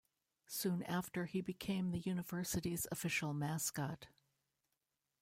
Soon after, he became the university's official mascot.